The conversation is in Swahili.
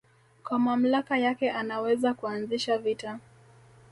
Kwa mamlaka yake anaweza kuanzisha vita